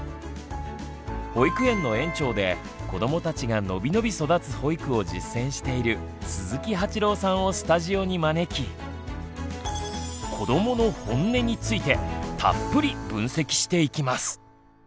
保育園の園長で子どもたちが伸び伸び育つ保育を実践している鈴木八朗さんをスタジオに招き「こどものホンネ」についてたっぷり分析していきます！